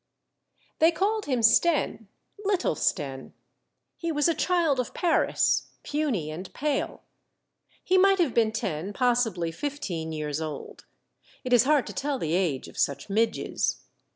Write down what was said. They called him Stenne, " little Stenne." He was a child of Paris, puny and pale. He might have been ten, possibly fifteen years old. It is hard to tell the age of such midges.